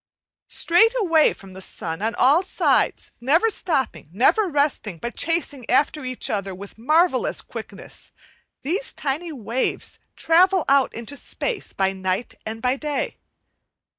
Straight away from the sun on all sides, never stopping, never resting, but chasing after each other with marvellous quickness, these tiny waves travel out into space by night and by day.